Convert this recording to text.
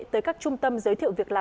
tới các trung tâm giới thiệu việc làm